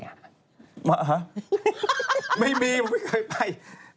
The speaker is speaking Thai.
มาไม่มีผมไม่เคยไป